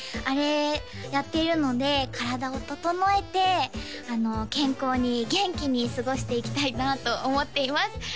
あれやっているので体を整えて健康に元気に過ごしていきたいなと思っています